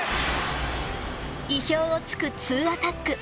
意表を突くツーアタック。